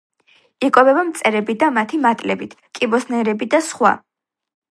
იკვებება მწერებით და მათი მატლებით, კიბოსნაირებით და სხვა.